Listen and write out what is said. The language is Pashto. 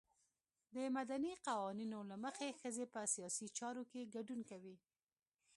د مدني قوانینو له مخې ښځې په سیاسي چارو کې ګډون کوي.